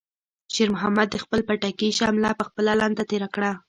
شېرمحمد د خپل پټکي شمله په خپله لنده تېره کړه.